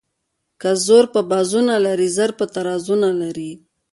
که زور په بازو نه لري زر په ترازو نه لري.